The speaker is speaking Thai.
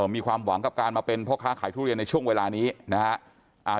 มีความหวังกับการมาเป็นพ่อค้าขายทุเรียนในช่วงเวลานี้นะครับ